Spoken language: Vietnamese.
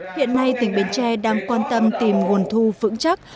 hiện nay tỉnh bến tre đang quan tâm tìm nguồn thu vững chắc